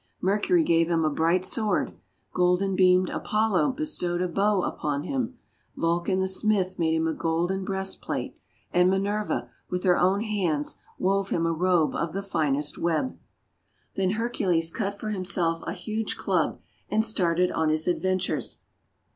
Mercury gave him a bright sword; golden beamed Apollo bestowed a bow upon him, Vul can the Smith made him a golden breast plate; and Minerva, with her own hands, wove him a robe of the finest web. Then Hercules cut for himself a huge club, and started on his adventures.